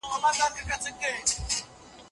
خلګو وکولای سول چي ازاد فکر وکړي.